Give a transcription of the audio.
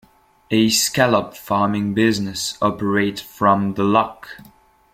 A scallop farming business operates from the loch.